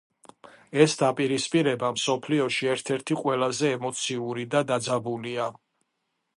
ეს დაპირისპირება მსოფლიოში ერთ-ერთი ყველაზე ემოციური და დაძაბულია.